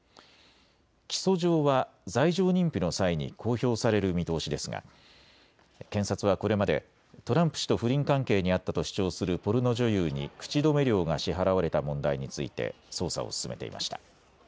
起訴状は罪状認否の際に公表される見通しですが検察はこれまでトランプ氏と不倫関係にあったと主張するポルノ女優に口止め料が支払われた問題について捜査を進めていました。